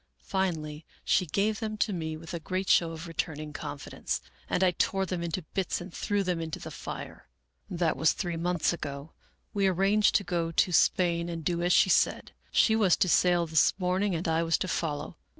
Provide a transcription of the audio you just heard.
Finally she gave them to me with a great show of returning confidence, and I tore them into bits and threw them into the fire. " That was three months ago. We arranged to go to Spain and do as she said. She was to sail this morning and I was to follow.